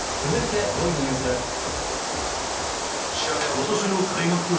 続いて５位のニュースです。